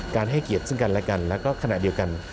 ให้เกียรติซึ่งกันและกันแล้วก็ขณะเดียวกัน